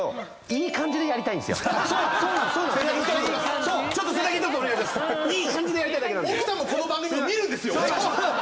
いい感じでやりたいだけなんです。